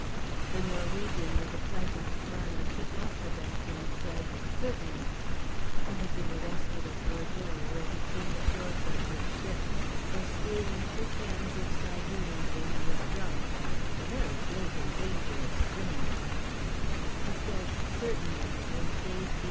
The Norwegian, with a pleasant smile, took off the belt and said "Certainly" … he had been arrested at Bordeaux, where he came ashore from his ship, for stealing three cans of sardines when he was drunk … a very great and dangerous criminal … he said "Certainly," and gave B.